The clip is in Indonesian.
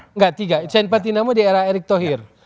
enggak tiga saint patinama di era erik thohir